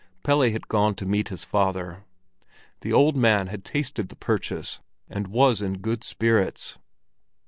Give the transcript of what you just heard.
Pelle had gone to meet his father. The old man had tasted the purchase, and was in good spirits.